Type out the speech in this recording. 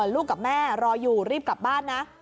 ลูกกับแม่รออยู่รีบกลับบ้านนะ